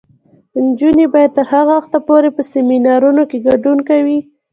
نجونې به تر هغه وخته پورې په سیمینارونو کې ګډون کوي.